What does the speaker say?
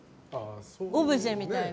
オブジェみたいな。